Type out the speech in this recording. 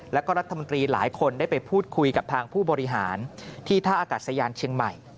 แล้วก็รัฐมนตรีหลายคนได้ไปพูดคุยกับทางผู้บริหารที่ท่าอากาศยานเชียงใหม่